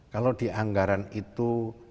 kalau di anggaran itu